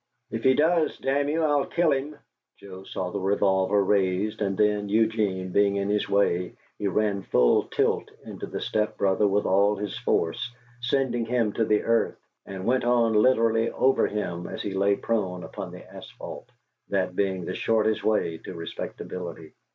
"If he does, damn you, I'll kill him!" Joe saw the revolver raised; and then, Eugene being in his way, he ran full tilt into his stepbrother with all his force, sending him to earth, and went on literally over him as he lay prone upon the asphalt, that being the shortest way to Respectability.